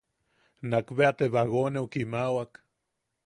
Nakbea te bagoneu kimaʼawak.